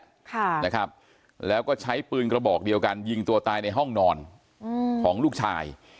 ค่ะนะครับแล้วก็ใช้ปืนกระบอกเดียวกันยิงตัวตายในห้องนอนอืมของลูกชาย